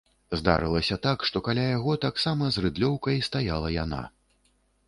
Здарылася так, што каля яго, таксама з рыдлёўкай, стаяла яна.